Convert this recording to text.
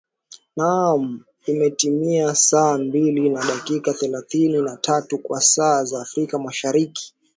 naam imetimia saa mbili na dakika thelathini na tatu kwa saa za afrika mashariki